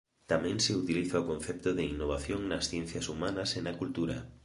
Tamén se utiliza o concepto de innovación nas ciencias humanas e na cultura.